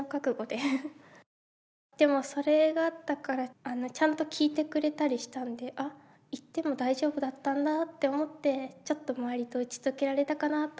でもそれがあったからちゃんと聞いてくれたりしたので「あっ言っても大丈夫だったんだ」と思ってちょっと周りと打ち解けられたかなとは思います。